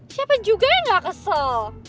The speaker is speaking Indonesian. siapa juga yang gak kesel